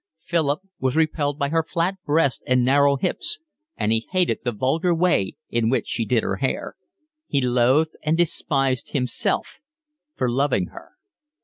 Philip was repelled by her flat breast and narrow hips, and he hated the vulgar way in which she did her hair. He loathed and despised himself for loving her.